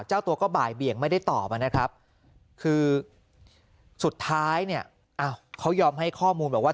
เจ้าตัวก็บ่ายเบี่ยงไม่ได้ตอบนะครับคือสุดท้ายเนี่ยเขายอมให้ข้อมูลบอกว่า